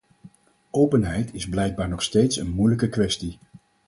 Openheid is blijkbaar nog steeds een moeilijke kwestie.